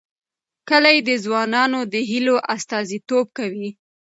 کلي د ځوانانو د هیلو استازیتوب کوي.